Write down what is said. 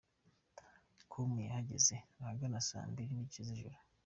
com yahageze ahagana saa mbiri n’igice z’ijoro.